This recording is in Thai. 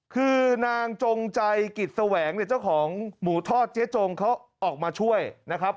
คือนางจงใจกิจแสวงเนี่ยเจ้าของหมูทอดเจ๊จงเขาออกมาช่วยนะครับ